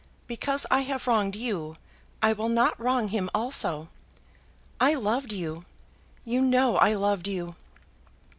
Because I have wronged you, I will not wrong him also. I loved you; you know I loved you."